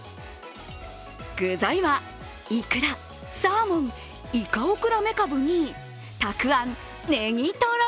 具材は、いくら、サーモン、いかオクラめかぶにたくあん、ねぎとろ。